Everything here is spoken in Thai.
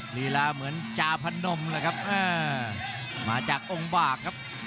ลีลาเหมือนจาพนมเลยครับมาจากองค์บากครับ